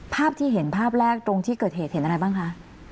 ภาพที่เห็นภาพแรกตรงที่เกิดเหตุเห็นอะไรบ้างคะ